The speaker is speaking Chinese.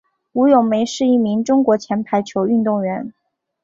吴咏梅是一名中国前排球运动员。